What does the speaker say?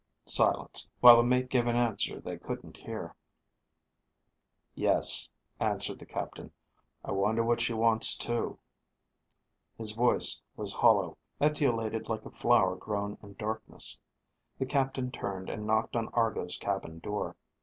_ Silence, while the mate gave an answer they couldn't hear. _"Yes," answered the captain. "I wonder what she wants, too." His voice was hollow, etiolated like a flower grown in darkness. The captain turned and knocked on Argo's cabin door.